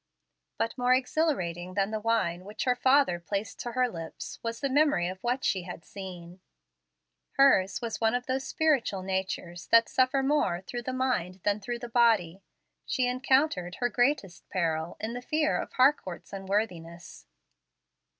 But more exhilarating than the wine which her father placed to her lips was the memory of what she had seen. Hers was one of those spiritual natures that suffer more through the mind than through the body. She encountered her greatest peril in the fear of Harcourt's unworthiness.